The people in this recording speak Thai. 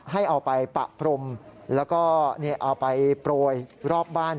ให้เอาไปปะพรมแล้วก็เอาไปโปรยรอบบ้าน